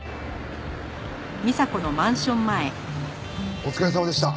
お疲れさまでした。